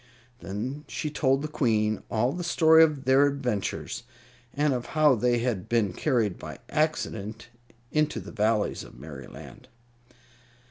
Then she told the Queen all the story of their adventures, and of how they had been carried by accident into the Valleys of Merryland.